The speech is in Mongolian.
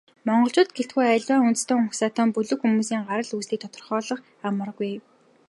Монголчууд гэлтгүй, аливаа үндэстэн угсаатан, бүлэг хүмүүсийн гарал үүслийг тодорхойлох амаргүй.